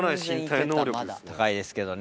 高いですけどね。